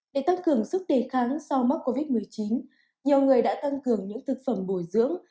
để tăng cường sức đề kháng sau mắc covid một mươi chín nhiều người đã tăng cường những thực phẩm bồi dưỡng